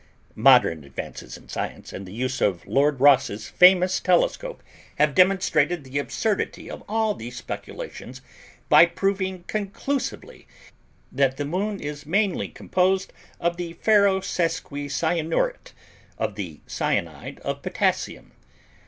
Modern advances in science and the use of Lord Rosse's famous telescope have demonstrated the absurdity of all these speculations by proving conclusively that the Moon is mainly composed of the Ferro sesqui cyanuret, of the cyanide of potassium!